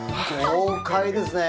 豪快ですね。